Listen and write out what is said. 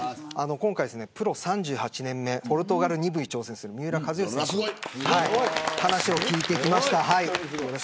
今回、プロ３８年目ポルトガル２部に挑戦する三浦知良さんの話を聞いてきました。